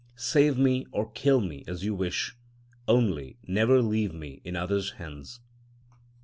Save me or kill me as you wish, only never leave me in others' hands.